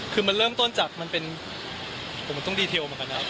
คือมันเริ่มต้นจากมันเป็นผมต้องดีเทลเหมือนกันนะ